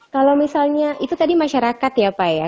kalau misalnya itu tadi masyarakat ya pak ya